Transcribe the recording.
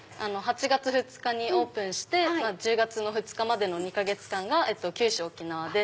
８月２日にオープンして１０月２日までの２か月間が九州沖縄で。